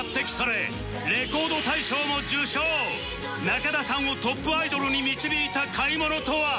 中田さんをトップアイドルに導いた買い物とは？